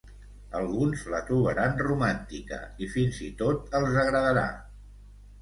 Alguns la trobaran romàntica i fins i tot els agradarà.